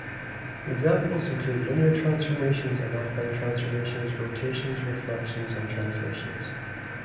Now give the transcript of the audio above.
Examples include linear transformations and affine transformations, rotations, reflections and translations.